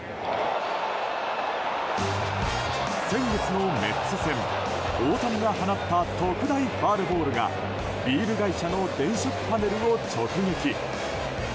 先月のメッツ戦、大谷が放った特大ファウルボールがビール会社の電飾パネルを直撃。